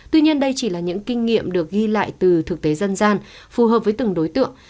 tuy nhiên đây chỉ là những kinh nghiệm được ghi lại từ thực tế dân gian phù hợp với từng đối tượng